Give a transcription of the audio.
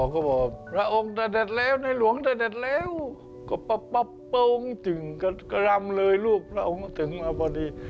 ก็ร้ามเลยลูกเหล่าก็มาเนื้อพอดี